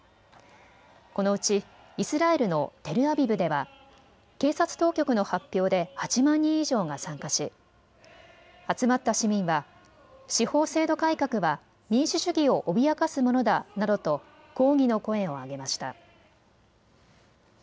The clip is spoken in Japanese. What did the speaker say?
このうちイスラエルのテルアビブでは検察当局の発表で８万人以上が参加し集まった市民は司法制度改革は民主主義を脅かすものだなどと抗議の声を上げました。